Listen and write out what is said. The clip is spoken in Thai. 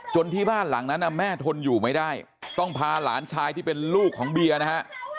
ที่บ้านหลังนั้นแม่ทนอยู่ไม่ได้ต้องพาหลานชายที่เป็นลูกของเบียร์นะฮะ